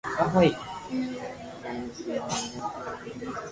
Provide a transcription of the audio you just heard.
Some of the novel's characters drew on local identities.